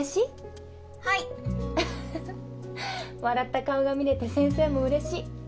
笑った顔が見れて先生もうれしい。